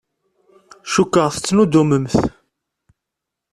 Cukkeɣ tettnuddumemt.